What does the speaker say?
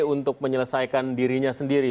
untuk menyelesaikan dirinya sendiri